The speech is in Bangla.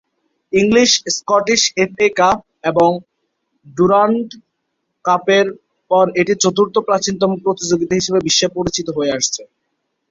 ইংলিশ, স্কটিশ এফএ কাপ এবং ডুরান্ড কাপের পর এটি চতুর্থ প্রাচীনতম প্রতিযোগিতা হিসেবে বিশ্বে পরিচিত হয়ে আসছে।